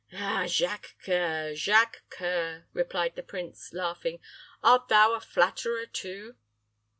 "Ah, Jacques C[oe]ur, Jacques C[oe]ur," replied the prince, laughing, "art thou a flatterer too?"